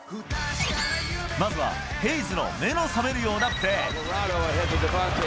まずはヘイズの目の覚めるようなプレー。